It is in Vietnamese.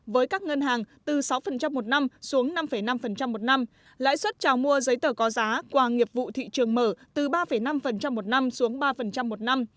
với các ngân hàng từ sáu một năm xuống năm năm một năm lãi suất trào mua giấy tờ có giá qua nghiệp vụ thị trường mở từ ba năm một năm xuống ba một năm